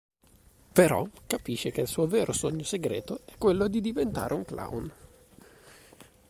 Però, capisce che il suo vero sogno segreto è quello di diventare un clown.